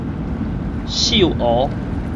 秀湖